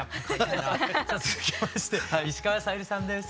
さあ続きまして石川さゆりさんです。